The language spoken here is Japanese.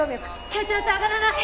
血圧上がらない！